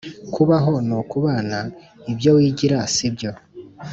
Kubaho n’ukubana ibyo wigira sibyo